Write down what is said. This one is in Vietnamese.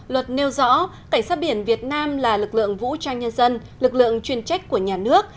luật nêu rõ cảnh sát biển việt nam là lực lượng vũ trang nhân dân lực lượng chuyên trách của nhà nước